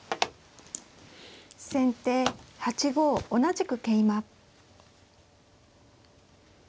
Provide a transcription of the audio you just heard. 先手８五同じく桂馬。